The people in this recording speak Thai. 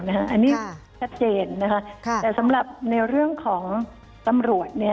อันนี้ชัดเจนนะคะแต่สำหรับในเรื่องของตำรวจ